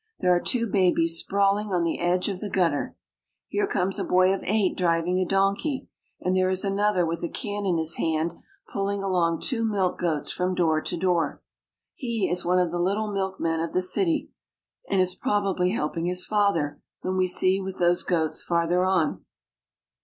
There are two babies sprawling on the edge of the gutter ! Here comes a boy of eight driving a donkey, and there is another with a can in his hand pulling along two milk goats from door to door. He is one of the little milkmen of the city, and is probably helping his father, whom we see with those goats farther on.